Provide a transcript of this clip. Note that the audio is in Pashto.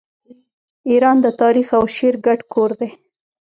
ایران د تاریخ او شعر ګډ کور دی.